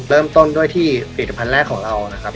เริ่มต้นด้วยที่ผลิตภัณฑ์แรกของเรานะครับ